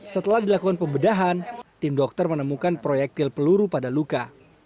setelah dilakukan pembedahan tim dokter menemukan proyektil peluru pada luka